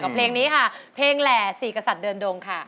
เพลงนี้ค่ะเพลงแหล่สี่กษัตริย์เดินดงค่ะ